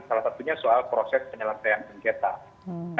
salah satunya soal proses penyelamatan rencana